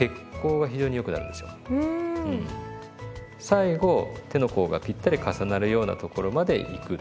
最後手の甲がぴったり重なるようなところまでいく。